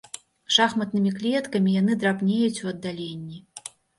Шахматнымі клеткамі яны драбнеюць у аддаленні.